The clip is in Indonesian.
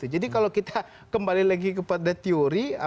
jadi kalau kita kembali lagi kepada teori